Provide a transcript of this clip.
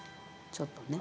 ちょっとね。